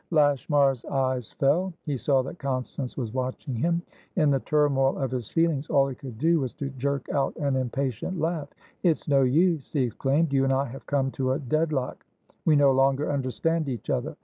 Lashmar's eyes fell. He saw that Constance was watching him. In the turmoil of his feelings all he could do was to jerk out an impatient laugh. "It's no use," he exclaimed. "You and I have come to a deadlock. We no longer understand each other.